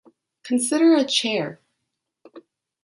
Consider a chair.